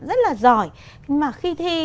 rất là giỏi mà khi thi